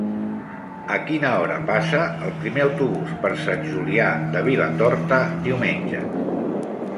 A quina hora passa el primer autobús per Sant Julià de Vilatorta diumenge?